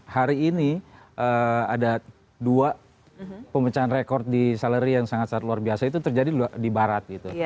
hari ini ada dua pemecahan rekod di salary yang sangat sangat luar biasa itu terjadi di barat